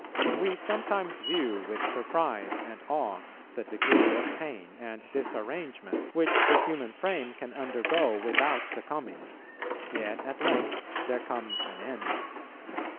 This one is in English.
We sometimes view with surprise and awe the degree of pain and disarrangement which the human frame can undergo without succumbing; yet at length there comes an end.